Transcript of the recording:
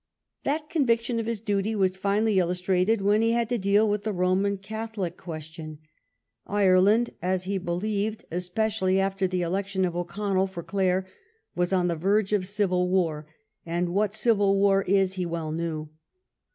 That conviction of his duty was finely illustrated when he had to deal with the Eoman Catholic question. Ireland, as he believed, especially after the election of O'Connell for Clare, was on the verge of civil war, and what civil war is he well knew.